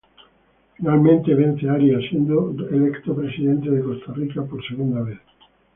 Finalmente vence Arias siendo electo presidente de Costa Rica por segunda vez.